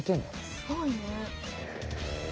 すごいね。